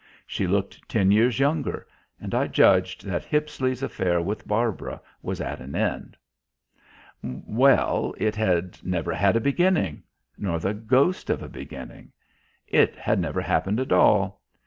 She looked ten years younger and I judged that Hippisley's affair with Barbara was at an end. Well it had never had a beginning; nor the ghost of a beginning. It had never happened at all.